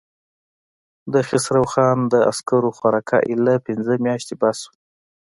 د خسرو خان د عسکرو خوراکه اېله پنځه مياشتې بس شوه.